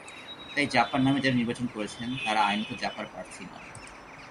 তাই জাপার নামে যাঁরা নির্বাচন করছেন, তাঁরা আইনত জাপার প্রার্থী নন।